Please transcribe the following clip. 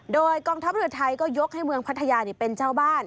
โดยกองทัพเรือไทยก็ยกให้เมืองพัทยาเป็นเจ้าบ้าน